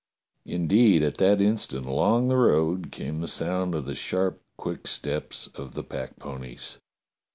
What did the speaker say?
Indeed at that instant along the road came the sound of the sharp, quick steps of the packponies.